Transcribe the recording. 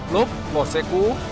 lốp bỏ xe cũ